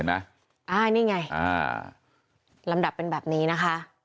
ลำดับเป็นหลักงานประเทศเป็นแบบนี้นะคะ